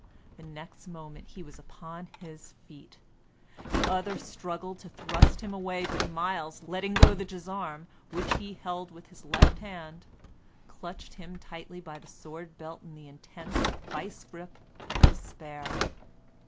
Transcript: The next moment he was upon his feet. The other struggled to thrust him away, but Myles, letting go the gisarm, which he held with his left hand, clutched him tightly by the sword belt in the intense, vise like grip of despair.